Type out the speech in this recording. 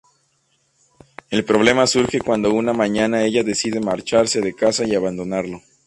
El problema surge cuando una mañana ella decide marcharse de casa y abandonarlo.